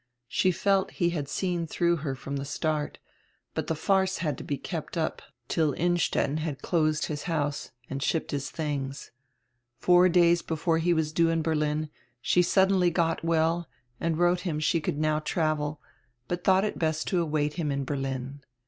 She felt he had seen through her from die start, but die farce had to be kept up till Innstetten had closed his house and shipped his tilings. Four days before he was due in Berlin she suddenly got well and wrote him she could now travel, but thought it best to await him in Berlin.